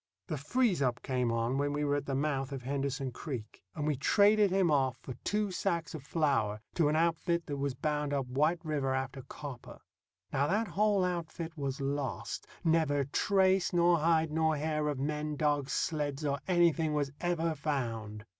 The freeze up came on when we were at the mouth of Henderson Creek, and we traded him off for two sacks of flour to an outfit that was bound up White River after copper. Now that whole outfit was lost. Never trace nor hide nor hair of men, dogs, sleds, or anything was ever found.